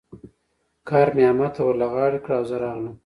کار مې احمد ته ور له غاړې کړ او زه راغلم.